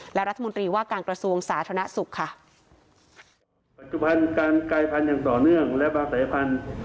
และรัฐมนตรีว่าการกระทรวงสาธารณสุขค่ะ